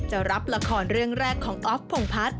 จะรับละครเรื่องแรกของออฟพงพัฒน์